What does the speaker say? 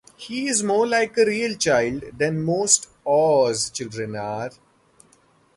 He is more like a real child than most Oz children are.